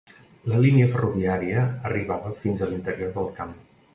La línia ferroviària arribava fins a l'interior del camp.